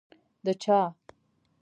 د چا؟